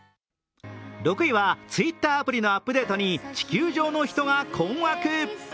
Ｔｗｉｔｔｅｒアプリのアップデートに地球上の人が困惑。